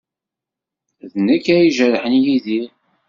D nekk ay ijerḥen Yidir.